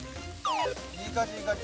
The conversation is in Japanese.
いい感じいい感じ。